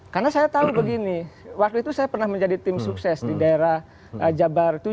karena saya tahu begini waktu itu saya pernah menjadi tim sukses di daerah jabar tujuh